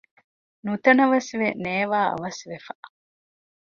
ނުތަނަވަސްވެ ނޭވާއަވަސް ވެފަ